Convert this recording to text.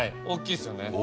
大きいですよね。